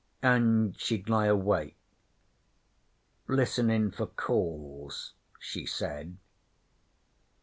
An, she'd lie awake listenin' for calls, she said.'